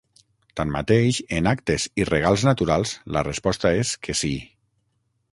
Tanmateix, en actes i regals naturals, la resposta és que sí.